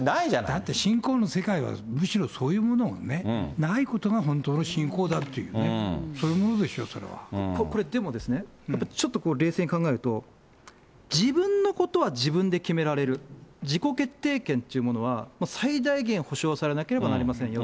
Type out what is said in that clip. だって信仰の世界は、むしろそういうものがないことが本当の信仰だっていう、そういうでもこれ、ちょっと冷静に考えると、自分のことは自分で決められる、自己決定権というものは、最大限保障はされなければなりませんよ。